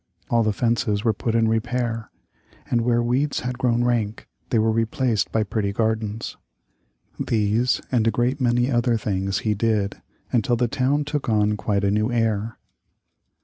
All the fences were put in repair, and where weeds had grown rank, they were replaced by pretty gardens. These, and a great many other things he did, until the town took on quite a new air.